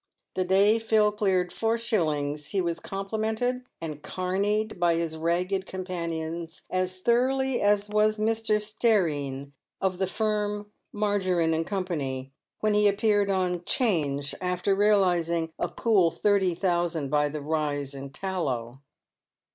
The day Phil cleared four shillings, he was complimented and carnied by his ragged companions as thoroughly as was Mr. Stearine, of the firm of Margerine and Co., when he appeared on 'Change, after realising a cool thirty thousand by the rise in tallow.